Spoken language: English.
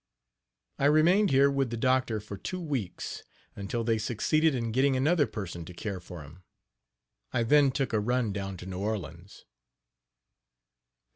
I remained here with the doctor for two weeks until they succeeded in getting another person to care for him. I then took a run down to New Orleans.